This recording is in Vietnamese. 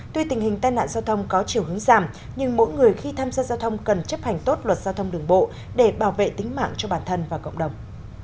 tuy tình hình tai nạn giao thông có chiều hướng giảm nhưng mỗi người khi tham gia giao thông cần chấp hành tốt luật giao thông đường bộ để bảo vệ tính mạng cho bản thân và cộng đồng